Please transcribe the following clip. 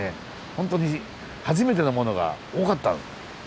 ホントに初めてのものが多かったうん。